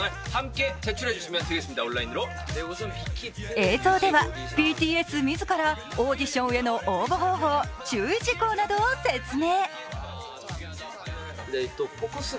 映像ではＢＴＳ自らオーディションへの応募方法、注意事項などを説明。